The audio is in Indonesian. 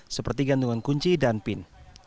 seperti gantungan kunci dan pin